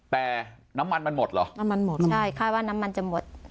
แต่น้ำมันมันหมดเหรอน้ำมันหมดใช่คาดว่าน้ำมันจะหมด